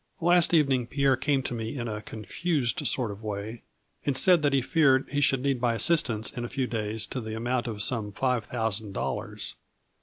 " Last evening Pierre came to me in a con used sort of way and said that he feared he should need my assistance in a few days to the amount of some five thousand dollars.